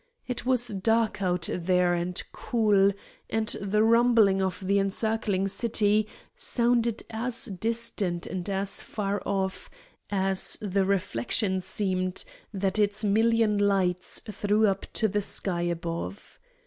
It was dark out there and cool, and the rumbling of the encircling city sounded as distant and as far off as the reflection seemed that its million lights threw up to the sky above.